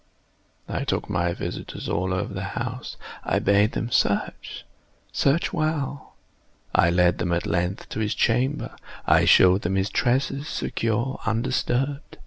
I took my visitors all over the house. I bade them search—search well. I led them, at length, to his chamber. I showed them his treasures, secure, undisturbed.